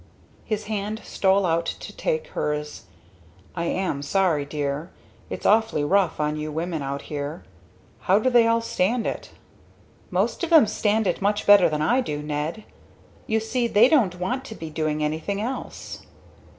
His hand stole out to take hers. "I am sorry, dear. It's awfully rough on you women out here. How do they all stand it?" "Most of them stand it much better than I do, Ned. You see they don't want to be doing anything else."